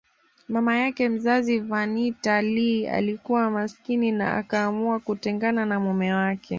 Mama yake mzazi Vernita Lee alikuwa masikini na akaamua kutengana na mume wake